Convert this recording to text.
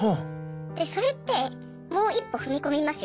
それってもう一歩踏み込みますよ。